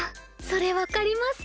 それ分かります。